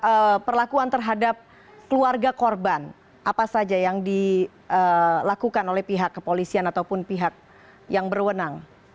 apa perlakuan terhadap keluarga korban apa saja yang dilakukan oleh pihak kepolisian ataupun pihak yang berwenang